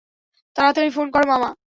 তাড়াতাড়ি ফোন করো, মামা।